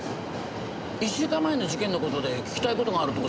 １週間前の事件の事で聞きたい事があると仰って。